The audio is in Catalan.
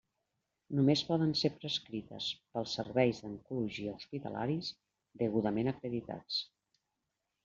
Només poden ser prescrites pels servicis d'oncologia hospitalaris degudament acreditats.